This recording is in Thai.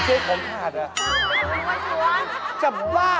ไปนะหลักข้าวเตอร์